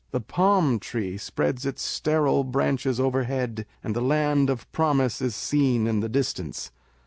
The palm tree spreads its sterile branches overhead, and the land of promise is seen in the distance.